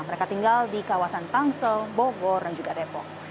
mereka tinggal di kawasan tangsel bogor dan juga depok